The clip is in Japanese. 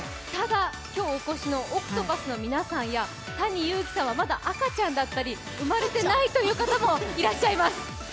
ただ、今日お越しのＯＣＴＰＡＴＨの皆さんやＴａｎｉＹｕｕｋｉさんはまだ赤ちゃんだったり、生まれてないという方もいらっしゃいます。